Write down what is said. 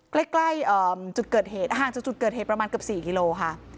ใกล้จุดเกิดเหตุห่างจากจุดเกิดเหตุประมาณเกือบ๔กิโลค่ะ